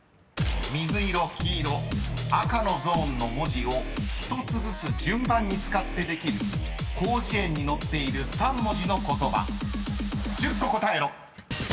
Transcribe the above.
［水色・黄色・赤のゾーンの文字を１つずつ順番に使ってできる広辞苑に載っている３文字の言葉１０個答えろ］